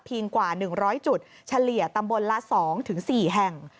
กว่า๑๐๐จุดเฉลี่ยตำบลละ๒๔แห่ง